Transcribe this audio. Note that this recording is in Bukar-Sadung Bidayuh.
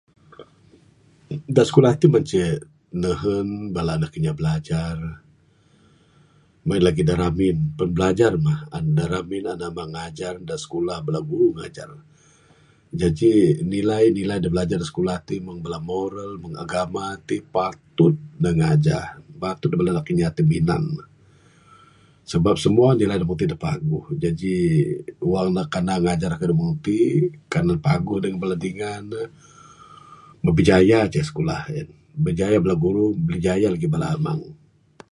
Da skulah tik mah ceh nehun bala nak kinya blajar. Mun en lagi da ramin, pen blajar mah. Da ramin andu amang ngajar. Da skulah bala guru ngajar ne. Jaji nilai nilai da blajar da skulah ti mun bala moral, mung agama tik patut ne ngajah. Ba ti bala nak inya ti minan. Sebab semua nilai da mung tik paguh. Jaji wang ne kanan ngajar kayuh da mung ti, kan ne paguh dengan bala dingan ne, moh bijaya ceh skulah en. Bijaya bala guru, bijaya lagi bala amang.